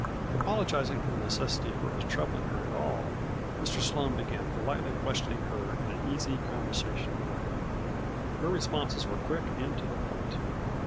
Apologizing for the necessity for his troubling her at all, Mr. Sloane began politely question ing her in an easy, conversational way. Her responses were quick and to the point.